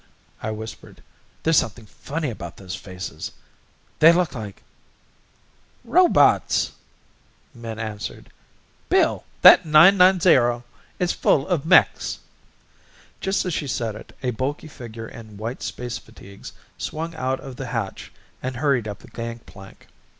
I whispered. "There's something funny about those faces. They look like " "Robots!" Min answered. "Bill, that 990 is full of mechs!" Just as she said it a bulky figure in white space fatigues swung out of the hatch and hurried up the gangplank.